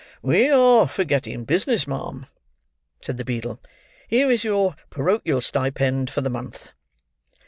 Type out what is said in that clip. "We are forgetting business, ma'am," said the beadle; "here is your porochial stipend for the month."